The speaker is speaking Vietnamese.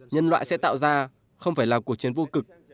nhân loại sẽ tạo ra không phải là cuộc chiến vô cực